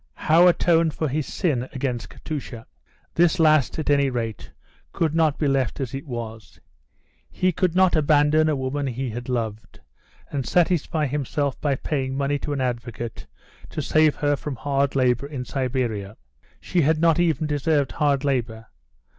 How atone for his sin against Katusha? This last, at any rate, could not be left as it was. He could not abandon a woman he had loved, and satisfy himself by paying money to an advocate to save her from hard labour in Siberia. She had not even deserved hard labour.